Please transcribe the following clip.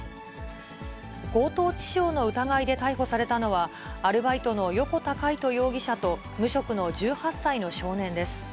強盗致傷の疑いで逮捕されたのは、アルバイトの横田魁人容疑者と、無職の１８歳の少年です。